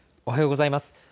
おはようございます。